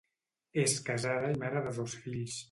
És casada i mare de dos fills.